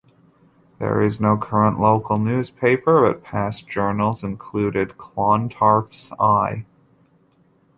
There is no current local newspaper but past journals included Clontarf's Eye.